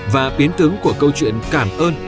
và biến tướng của câu chuyện cảm ơn